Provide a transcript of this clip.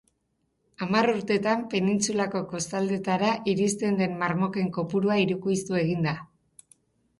Hamar urtetan penintsulako kostaldetara iristen den marmoken kopurua hirukoiztu egin da.